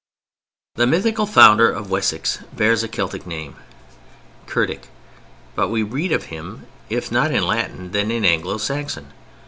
The mythical founder of Wessex bears a Celtic name, Cerdic: but we read of him if not in Latin then in Anglo Saxon.